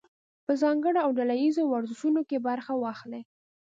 په ځانګړو او ډله ییزو ورزشونو کې برخه واخلئ.